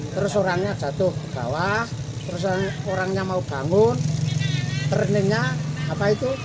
terus orangnya jatuh ke bawah terus orangnya mau bangun turningnya apa itu